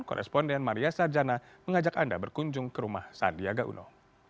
koresponden maria sarjana mengajak anda berkunjung ke rumah sandiaga uno